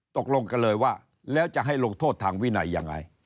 ตกลงกันเลยว่าแล้วจะให้ลงโทษทางวินัยยังไง